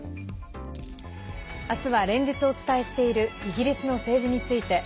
明日は連日お伝えしているイギリスの政治について。